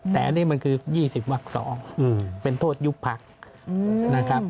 แต่อันนี้มันคือ๒๐วัก๒เป็นโทษยุบพักนะครับ